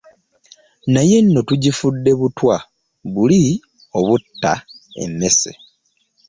Naye nno tugifudde butwa buli obutta emmese